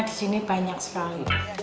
di sini banyak sekali